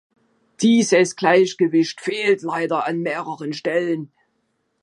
Dieses Gleichgewicht fehlt leider an mehreren Stellen.